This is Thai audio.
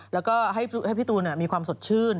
แล้วก็ให้พี่ตูนมีความสดชื่น